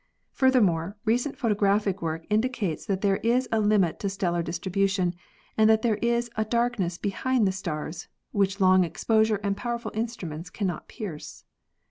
Furthermore, recent photographic work indicates that there is a limit to stellar distribution and that there is "a darkness behind the stars" which long exposure and powerful instruments cannot pierce.